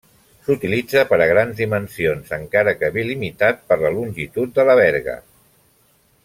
S'utilitza per a grans dimensions, encara que ve limitat per la longitud de la verga.